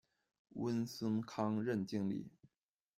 温松康任经理。